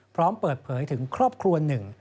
พร้อมเปิดเผยถึงครอบครัวหนึ่ง